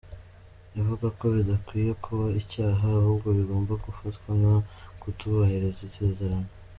Ivuga ko bidakwiye kuba icyaha, ahubwo bigomba gufatwa nko kutubahiriza isezerano.